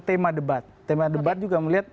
tema debat tema debat juga melihat